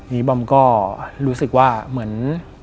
บอมก็รู้สึกว่าเหมือน